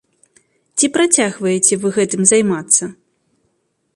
Ці працягваеце вы гэтым займацца?